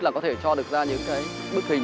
là có thể cho được ra những cái bức hình